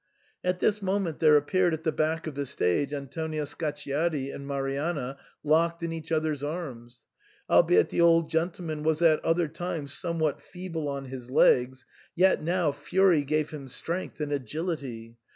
At this moment there appeared at the back of the stage Antonio Scacciati and Marianna locked in each other's arms. Albeit the old gentleman was at other times somewhat feeble on his legs, yet now fury gave him strength and agility.